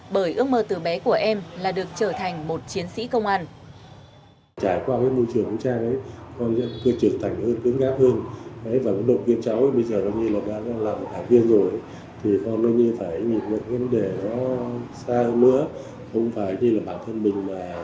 bởi ước mơ từ bé của em là được trở thành một chiến sĩ công an